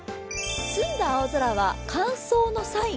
澄んだ青空は乾燥のサイン。